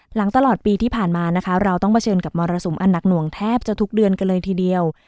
ตลอดปีที่ผ่านมานะคะเราต้องเผชิญกับมรสุมอันหนักหน่วงแทบจะทุกเดือนกันเลยทีเดียว